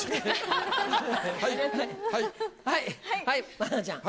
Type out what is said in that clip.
愛菜ちゃん。